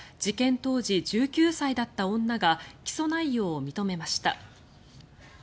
当時１９歳だった女が起訴内容を認めました。